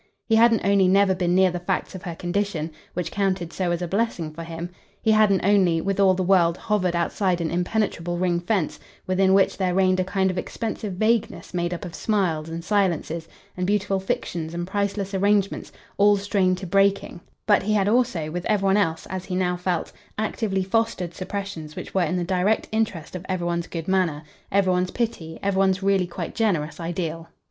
He hadn't only never been near the facts of her condition which counted so as a blessing for him; he hadn't only, with all the world, hovered outside an impenetrable ring fence, within which there reigned a kind of expensive vagueness made up of smiles and silences and beautiful fictions and priceless arrangements, all strained to breaking; but he had also, with every one else, as he now felt, actively fostered suppressions which were in the direct interest of every one's good manner, every one's pity, every one's really quite generous ideal.